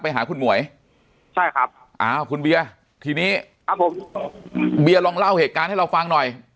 หาคุณหมวยใช่ครับอ้าวคุณเบียร์ทีนี้ครับผมเบียลองเล่าเหตุการณ์ให้เราฟังหน่อย